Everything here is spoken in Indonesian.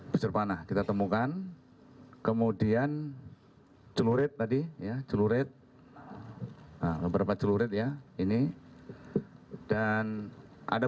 busur panah kita temukan kemudian celurit tadi ya celurit beberapa celurit ya ini dan ada